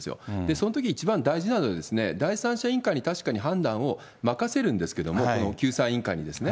そのときに一番大事なのは、第三者委員会に確かに判断を任せるんですけども、この救済委員会にですね。